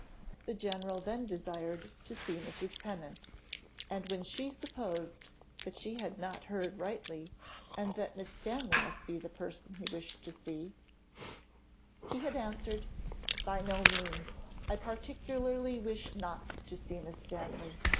The general then desired to see Mrs. Pennant, and when she supposed that she had not heard rightly, and that Miss Stanley must be the person he wished to see, he had answered, "By no means; I particularly wish not to see Miss Stanley.